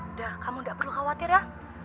udah kamu gak perlu khawatir ya